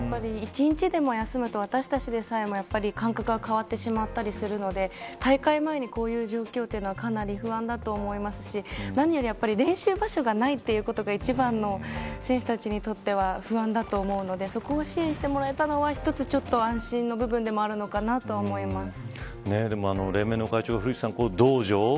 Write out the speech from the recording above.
１日でも休むと私たちでさえも感覚が変わってしまったりするので大会前にこういう練習場が使えないって、かなり不安だと思いますし何より練習場所がないということが一番、選手たちにとっては不安だと思うのでそこを支援してもらえたのは１つ安心の部分でもあるのかなと思います。